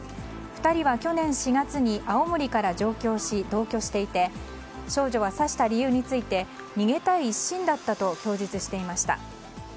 ２人は去年４月に青森から上京し、同居していて少女は刺した理由について逃げたい一心だったと供述していました。